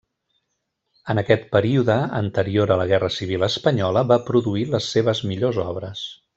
En aquest període anterior a la Guerra Civil espanyola va produir les seves millors obres.